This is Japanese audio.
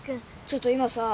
ちょっと今さ